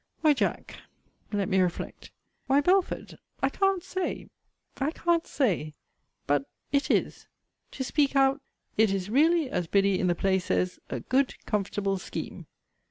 Why, Jack Let me reflect Why, Belford I can't say I can't say but it is. To speak out It is really, as Biddy in the play says, a good comfortable scheme.